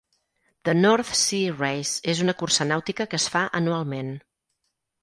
The North Sea Race, és una cursa nàutica que es fa anualment.